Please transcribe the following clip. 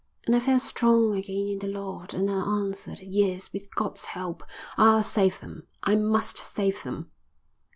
And I felt strong again in the Lord, and I answered: 'Yes, with God's help I'll save them. I must save them.'"